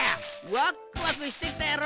ワックワクしてきたやろ？